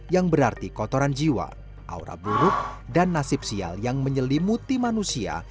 yang berarti kotoran jiwa aura buruk dan nasib sial yang menyelimuti manusia